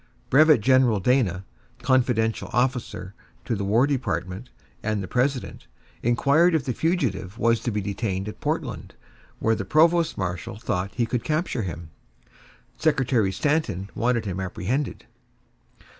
Brevet general Dana, confidential officer to the War Department and the President, inquired if the fugitive was to be detained at Portland, where the provost marshal thought he could capture him. Secretary Stanton wanted him apprehended.